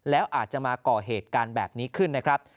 แล้วอาจจะมาก่อเหตุการณ์แบบนี้ขึ้นนะครับ